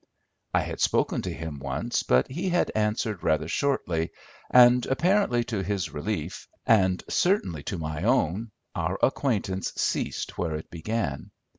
I had spoken to him once, but he had answered rather shortly, and, apparently to his relief, and certainly to my own, our acquaintance ceased where it began.